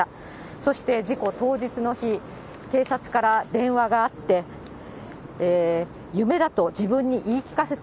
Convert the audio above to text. そして事故当日の日、警察から電話があって、夢だと自分に言い聞かせた。